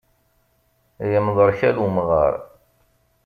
Yemḍerkal umɣar.